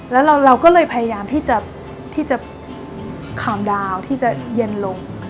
แล้วเราก็เลยพยายามที่จะคามดาวที่จะเย็นลง